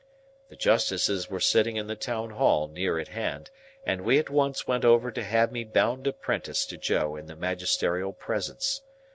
The Justices were sitting in the Town Hall near at hand, and we at once went over to have me bound apprentice to Joe in the Magisterial presence.